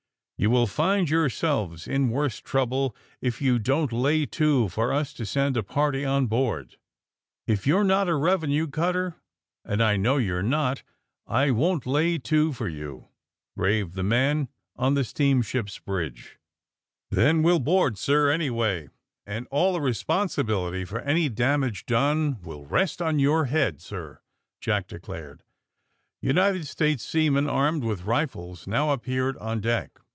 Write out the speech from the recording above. You will find yourselves in worse trouble if you don't lay to for us to send a party on board." ^^If you're not a revenue cutter, and I know you're not, I won't lay to for you!" raved the man on the steamship's bridge. '*Then we'll board, sir, anyway, and all the AND THE SMUGGLEES 209 responsibility for any damage done will rest on yOTir head, sir, '^ Jack declared. United States seamen armed with rifles now appeared on deck.